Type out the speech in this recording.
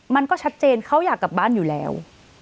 มันก็ชัดเจนเขาอยากกลับบ้านอยู่แล้ว